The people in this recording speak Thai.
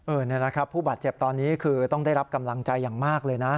นี่นะครับผู้บาดเจ็บตอนนี้คือต้องได้รับกำลังใจอย่างมากเลยนะ